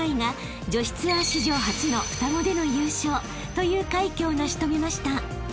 ［という快挙を成し遂げました］